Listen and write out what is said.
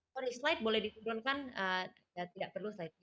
sorry slide boleh diturunkan tidak perlu slide nya